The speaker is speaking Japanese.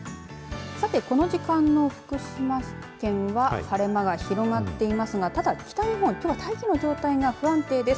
さて、この時間の福島県は晴れ間が広まっていますがただ北日本、きょうは大気の状態が不安定です。